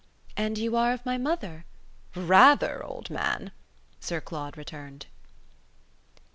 "And you are of my mother?" "Rather, old man!" Sir Claude returned.